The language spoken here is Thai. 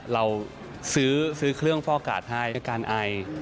เราซื้อเครื่องฟอการ์ดให้ในการอาย